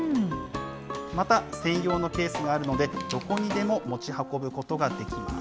また専用のケースがあるので、どこにでも持ち運ぶことができます。